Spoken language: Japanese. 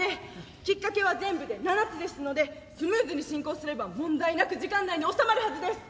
きっかけは全部で７つですのでスムーズに進行すれば問題なく時間内に収まるはずです。